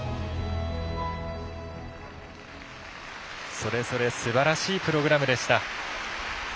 それぞれすばらしいプログラムでした。